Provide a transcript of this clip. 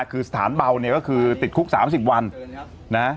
คือสถานเบาเนี่ยก็คือติดคุก๓๐วันนะ